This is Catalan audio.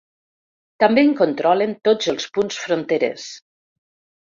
També en controlen tots els punts fronterers.